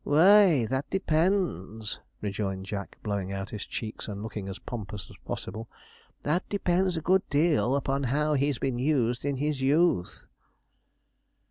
'Who y, that depends,' rejoined Jack, blowing out his cheeks, and looking as pompous as possible 'that depends a good deal upon how he's been used in his youth.'